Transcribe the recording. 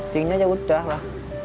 sehingga ya udahlah